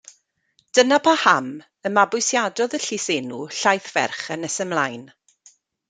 Dyna paham y mabwysiadodd y llysenw Llaethferch yn nes ymlaen.